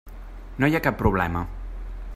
No hi ha cap problema.